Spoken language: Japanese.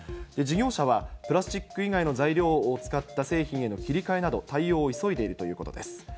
事業者はプラスチック以外の材料を使った製品への切り替えなど、対応を急いでいるということです。